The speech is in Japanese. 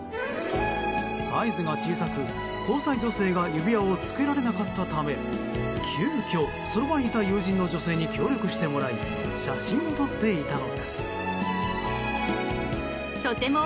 サイズが小さく、交際女性が指輪を着けられなかったため急きょ、その場にいた友人の女性に協力してもらい写真を撮っていたのです。